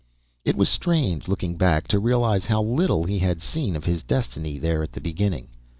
It was strange, looking back, to realize how little he had seen of his destiny, there at the beginning.